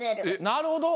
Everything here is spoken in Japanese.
なるほど。